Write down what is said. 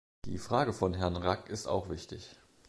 Die Frage von Herrn Rack ist auch wichtig.